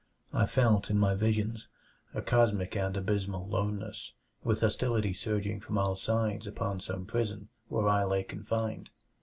I felt, in my visions, a cosmic and abysmal loneness; with hostility surging from all sides upon some prison where I lay confined.